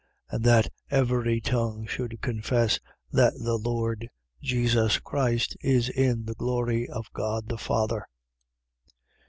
And that every tongue should confess that the Lord Jesus Christ is in the glory of God the Father.